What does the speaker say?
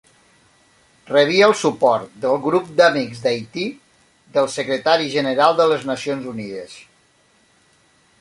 Rebia el suport del Grup d'Amics d'Haití del Secretari General de les Nacions Unides.